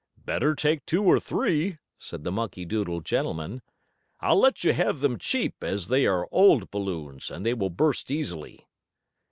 "Better take two or three," said the monkey doodle gentleman. "I'll let you have them cheap, as they are old balloons, and they will burst easily."